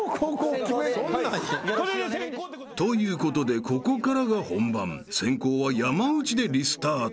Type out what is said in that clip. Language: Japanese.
［ということでここからが本番先攻は山内でリスタート］